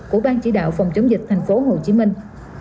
của ban chỉ đạo phòng chống dịch thành phố hồ chí minh